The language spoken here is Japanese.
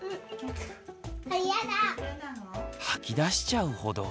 吐き出しちゃうほど。